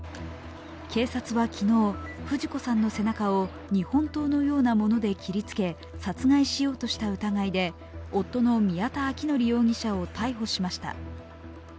警察は昨日、富士子さんの背中を日本刀のようなもので斬りつけ殺害しようとした疑いで夫の宮田明典容疑者を逮捕しました。